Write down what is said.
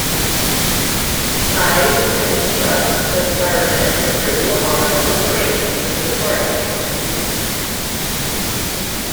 Hives instructs the servant crew on preparations for the party.